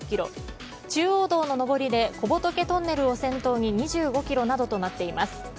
中央道の上りで小仏トンネルを先頭に２５ｋｍなどとなっています。